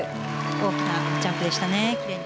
大きなジャンプでしたね。